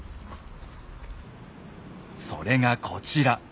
それがこちら。